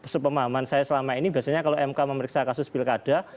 sepemahaman saya selama ini biasanya kalau mk memeriksa kasus pilkada